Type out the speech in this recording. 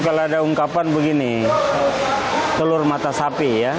kalau ada ungkapan begini telur mata sapi ya